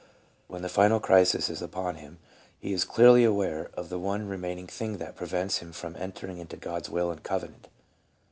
When the final crisis is upon him, he is clearly aware of the one remaining thing that prevents him from "entering into God's will and covenant."